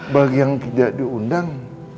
bagi yang tidak diundang